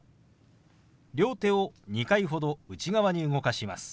両手を２回ほど内側に動かします。